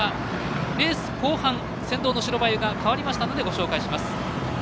レース後半、先頭の白バイが変わりましたのでご紹介します。